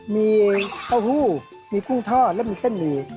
มีข้าวฮู้มีกุ้งทอดแล้วมีเส้นหมี